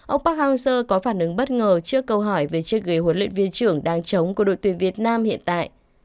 ông park hang seo có phản ứng bất ngờ trước câu hỏi về chiếc ghế huấn luyện viên trưởng đang chống của đội tuyển việt nam hiện tại